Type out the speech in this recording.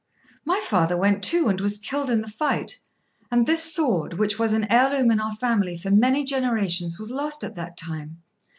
"My father went too, and was killed in the fight, and this sword, which was an heirloom in our family for many generations, was lost at that time.